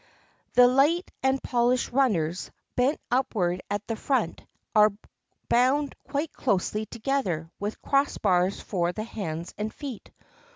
The light and polished runners, bent upward at the front, are bound quite closely together, with crossbars for the hands and feet.